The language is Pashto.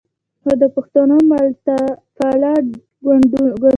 خو د پښتنو ملتپاله ګوندونو